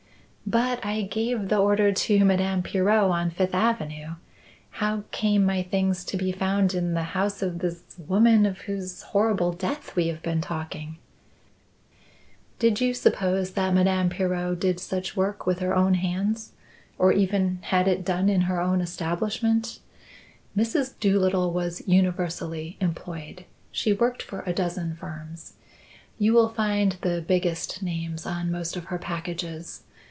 "But I gave the order to Madame Pirot on Fifth Avenue. How came my things to be found in the house of this woman of whose horrible death we have been talking?" "Did you suppose that Madame Pirot did such work with her own hands? or even had it done in her own establishment? Mrs. Doolittle was universally employed. She worked for a dozen firms. You will find the biggest names on most of her packages.